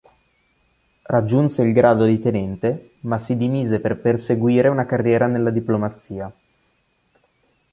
Raggiunse il grado di tenente ma si dimise per perseguire una carriera nella diplomazia.